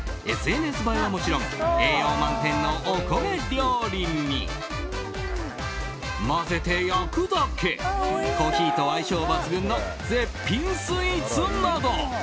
ＳＮＳ映えはもちろん栄養満点のお米料理に混ぜて焼くだけコーヒーと相性抜群の絶品スイーツなど。